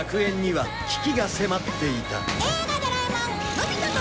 「『のび太と』」